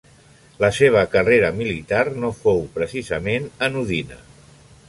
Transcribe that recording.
La seva carrera militar no fou precisament anodina.